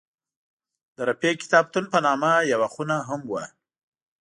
د رفیع کتابتون په نامه یوه خونه هم وه.